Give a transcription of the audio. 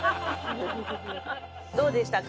どうでしたか？